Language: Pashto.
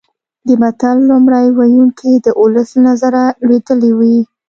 د متل لومړی ویونکی د ولس له نظره لویدلی وي